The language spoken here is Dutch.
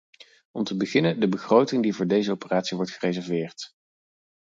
Om te beginnen de begroting die voor deze operatie wordt gereserveerd.